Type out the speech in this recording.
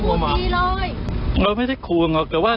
ประหมวดเขายังพูดดีเลยเราไม่ได้คู่หรอกแต่ว่า